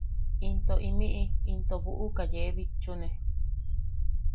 Into imi’i into bu’uka yee bitchune.